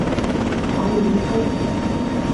唐明宗